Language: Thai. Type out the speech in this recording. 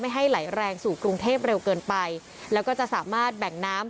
ให้ไหลแรงสู่กรุงเทพเร็วเกินไปแล้วก็จะสามารถแบ่งน้ำ